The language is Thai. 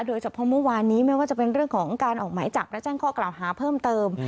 โดยเฉพาะเมื่อวานนี้ไม่ว่าจะเป็นเรื่องของการออกหมายจับและแจ้งข้อกล่าวหาเพิ่มเติม